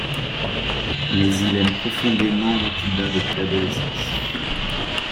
Mais il aime profondément Mathilda depuis l'adolescence.